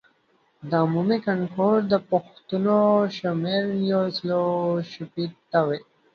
د عمومي کانکور د پوښتنو شمېر یو سلو شپیته وي.